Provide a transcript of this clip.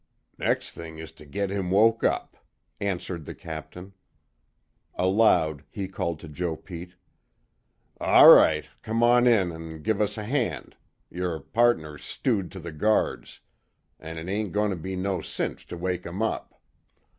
"Next thing is to git him woke up," answered the Captain. Aloud, he called to Joe Pete: "All right, come on in an' give us a hand, yer pardner's stewed to the guards, an' it ain't goin' to be no cinch to wake him up."